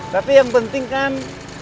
tapi yang penting kan